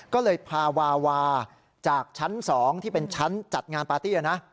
ก็เลยพาวาวาจากชั้น๒ที่เป็นชั้นจัดงานปาร์ตี้นะ